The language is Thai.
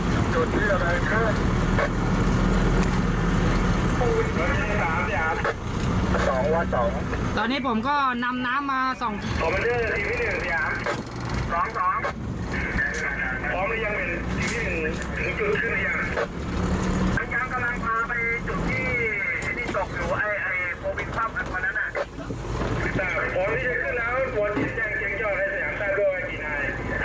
อ๋อมันยังเป็นจุดขึ้นหรือยังมันยังกำลังมาไปจุดที่ที่ตกอยู่โปรวินทรัพย์เมื่อนั้นอ่ะ